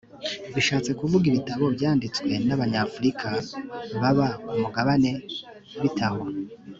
bishatse kuvuga ibitabo byanditswe nabanyafurika baba kumugabane? bite ho